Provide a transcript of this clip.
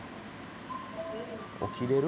起きれる？